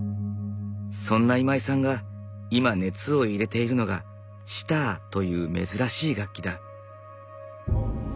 そんな今井さんが今熱を入れているのがシターという珍しい楽器だ。